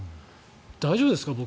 大丈夫ですか、僕。